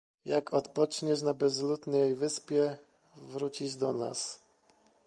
"Jak odpoczniesz na bezludnej wyspie, wrócisz do nas."